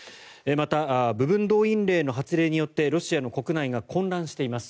また、部分動員令の発令によってロシアの国内が混乱しています。